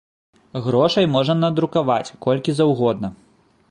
Грошай можна надрукаваць, колькі заўгодна.